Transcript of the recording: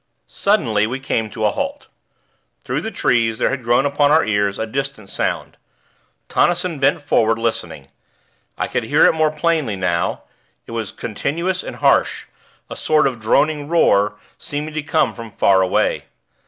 Suddenly, we came to a halt. Through the trees there had grown upon our ears a distant sound. Tonnison bent forward, listening. I could hear it more plainly now; it was continuous and harsh a sort of droning roar, seeming to come from far away.